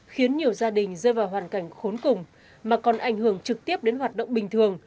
khiến nhiều gia đình rơi vào hoàn cảnh khốn cùng mà còn ảnh hưởng trực tiếp đến hoạt động bình thường